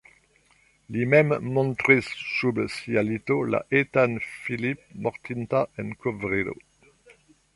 Li mem montris sub sia lito la etan Philippe mortintan en kovrilo.